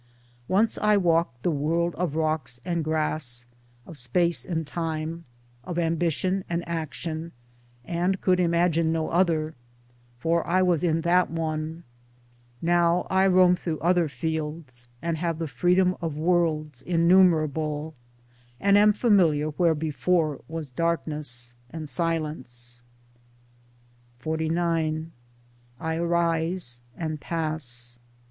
Once I walked the world of rocks and grass, of space Towards Democracy 75 and time, of ambition and action, and could imagine no other — for I was in that one; now I roam through other fields and have the freedom of worlds innumerable, and am familiar where before was darkness and silence. XLIX I arise and pass.